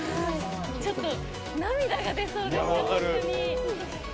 ちょっと涙が出そうでした、本当に。